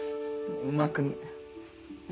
うまく。